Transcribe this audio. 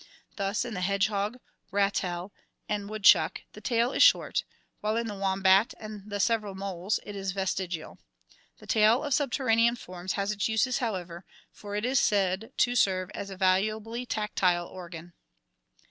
Thus in the hedgehog, ratel, and woodchuck the tail is short, while in the wombat and the several moles it is vestigial. The tail of subterranean forms has its uses, however, for it is said to serve as a valuable tactile organ.